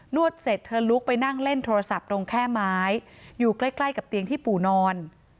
วดเสร็จเธอลุกไปนั่งเล่นโทรศัพท์ตรงแค่ไม้อยู่ใกล้ใกล้กับเตียงที่ปู่นอน